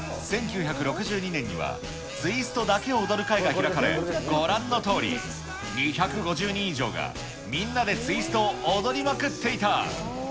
１９６２年には、ツイストだけを踊る会が開かれ、ご覧のとおり、２５０人以上が、みんなでツイストを踊りまくっていた。